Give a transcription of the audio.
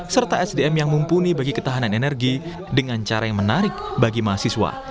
serta sdm yang mumpuni bagi ketahanan energi dengan cara yang menarik bagi mahasiswa